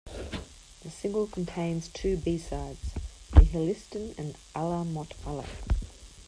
The single contains two B-sides: "Nihilisten" and "Alla mot alla".